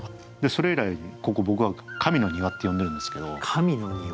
それ以来ここ僕は「神の庭」って呼んでるんですけど。